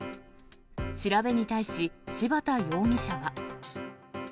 調べに対し、柴田容疑者は。